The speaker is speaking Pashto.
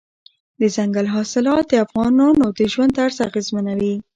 دځنګل حاصلات د افغانانو د ژوند طرز اغېزمنوي.